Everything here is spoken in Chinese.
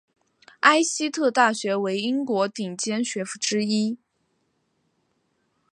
艾希特大学为英国顶尖学府之一。